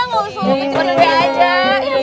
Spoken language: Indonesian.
nggak usah lo kecentilan aja